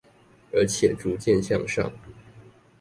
而且逐漸向上